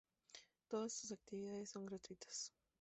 Todas sus actividades son gratuitas.